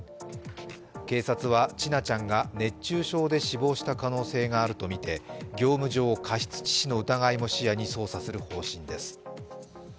警察は、千奈ちゃんが熱中症で死亡した可能性があるとみて業務上過失致死の疑いも視野に捜査する方針です。